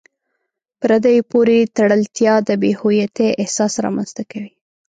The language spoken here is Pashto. پردیو پورې تړلتیا د بې هویتۍ احساس رامنځته کوي.